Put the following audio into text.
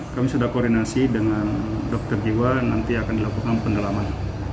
kami sudah koordinasi dengan dokter jiwa nanti akan dilakukan penelaman